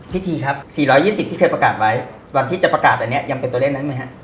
พี่ทีครับ๔๒๐ที่เคยประกาศไว้วันที่จะประกาศอย่างนี้ยังเป็นตัวเล่นนั้นป่ะครับ